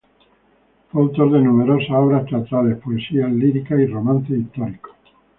Fue autor de numerosas obras teatrales, poesías líricas y romances históricos.